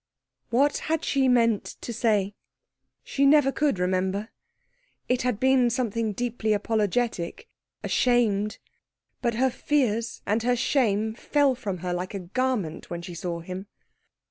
What had she meant to say? She never could remember. It had been something deeply apologetic, ashamed. But her fears and her shame fell from her like a garment when she saw him.